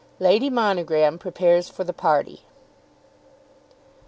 LADY MONOGRAM PREPARES FOR THE PARTY.